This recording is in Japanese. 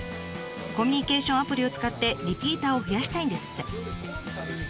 コミュニケーションアプリを使ってリピーターを増やしたいんですって。